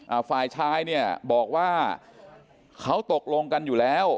อ่าฝ่ายชายเนี่ยบอกว่าเขาตกลงกันอยู่แล้ว